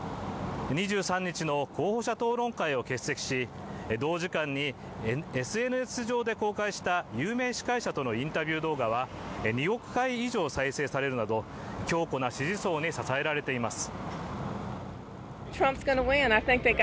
２３日の候補者討論会を欠席し同時間にＳＮＳ上で公開した有名司会者とのインタビュー動画は２億回以上再生されるなど強固な支持層に支えられています。